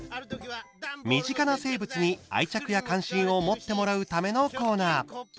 身近な生物に愛着や関心を持ってもらうためのコーナー。